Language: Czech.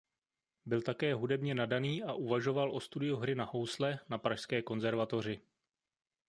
Byl také hudebně nadaný a uvažoval o studiu hry na housle na Pražské konzervatoři.